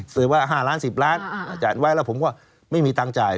ซื้อว่า๕ล้าน๑๐ล้านจ่ายไว้แล้วผมก็ไม่มีตังค์จ่าย